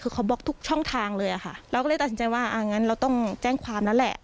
คือเขาบล็อกทุกช่องทางเลยอะค่ะเราก็เลยตัดสินใจว่าอ่างั้นเราต้องแจ้งความแล้วแหละ